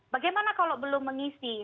bagaimana kalau belum mengisi